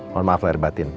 mohon maaf lahir batin